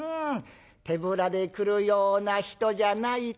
手ぶらで来るような人じゃないと思うよ。